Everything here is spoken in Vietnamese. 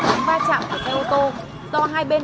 ba chạm của xe ô tô do hai bên